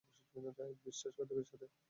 এক বিশ্বাসঘাতকের সাথে।